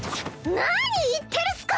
何言ってるっスか！